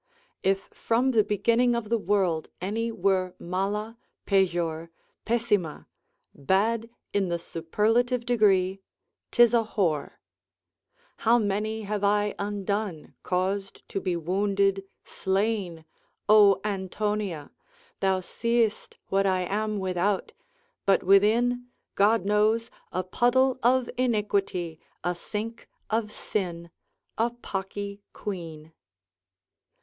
If from the beginning of the world any were mala, pejor, pessima, bad in the superlative degree, 'tis a whore; how many have I undone, caused to be wounded, slain! O Antonia, thou seest what I am without, but within, God knows, a puddle of iniquity, a sink of sin, a pocky quean.